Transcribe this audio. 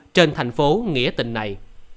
trên thành phố nghĩa tình này